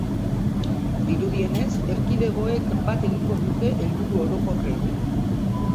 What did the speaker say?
Dirudienez, erkidegoek bat egingo dute helburu orokorrekin.